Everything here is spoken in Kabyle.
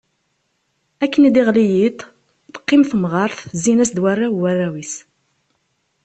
Akken d-yeɣli yiḍ, teqqim temɣert zzin-as-d warraw n warraw-is.